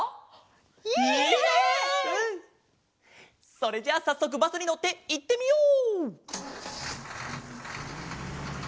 それじゃあさっそくバスにのっていってみよう！